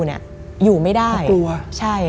มันกลายเป็นรูปของคนที่กำลังขโมยคิ้วแล้วก็ร้องไห้อยู่